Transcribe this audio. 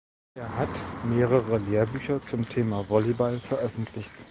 Er hat mehrere Lehrbücher zum Thema Volleyball veröffentlicht.